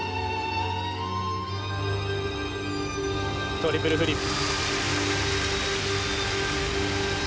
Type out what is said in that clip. トリプルフリップ。